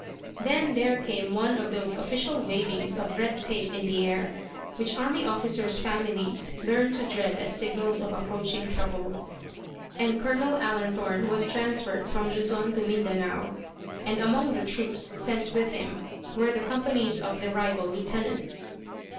Then there came one of those official wavings of red tape in the air, which army officers' families learn to dread as signals of approaching trouble, and Colonel Allenthorne was transferred from Luzon to Mindanao; and among the troops sent with him were the companies of the rival lieutenants.